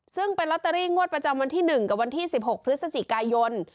ซึ่งเป็นลอตเตอรี่งวดประจำวันที่๑กับวันที่๑๖พฤศจิกายน